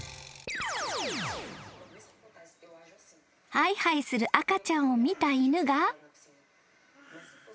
［はいはいする赤ちゃんを見た犬が］